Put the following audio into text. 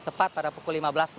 tepat pada pukul lima belas